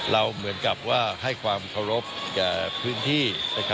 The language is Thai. เหมือนกับว่าให้ความเคารพแก่พื้นที่